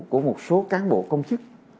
của một số cán bộ công chức